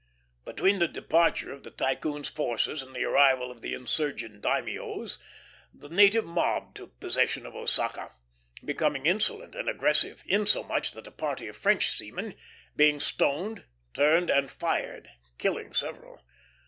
Between the departure of the Tycoon's forces and the arrival of the insurgent daimios, the native mob took possession of Osaka, becoming insolent and aggressive; insomuch that a party of French seamen, being stoned, turned and fired, killing several.